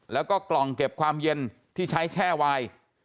แล้วก็กล่องเก็บความเย็นที่ใช้แช่วาย